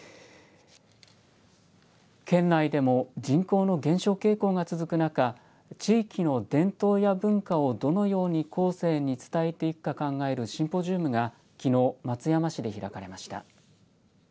県内でも人口の減少傾向が続く中地域の伝統や文化をどのように後世に伝えていくか考えるシンポジウムがきのう、松山市で開かれました。